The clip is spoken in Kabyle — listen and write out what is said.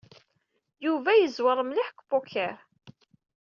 Yuba yeẓwer mliḥ deg upoker.